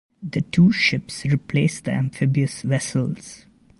The two ships replaced the amphibious vessels.